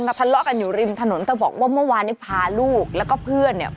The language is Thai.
ทะเลาะกันอยู่ริมถนนเธอบอกว่าเมื่อวานนี้พาลูกแล้วก็เพื่อนเนี่ย